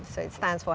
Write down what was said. jadi itu berarti